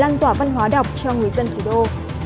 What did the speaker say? nơi kết nối và lan tỏa văn hoá đọc cho người dân thủy đô